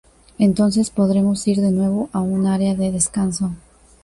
Entonces, podremos ir de nuevo a un área de descanso.